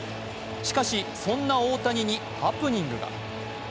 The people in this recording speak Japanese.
しかし、そんな大谷にハプニングが。